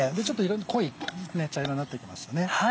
濃い茶色になってきましたね。